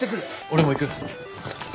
俺も行く。